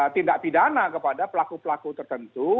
tindak pidana kepada pelaku pelaku tertentu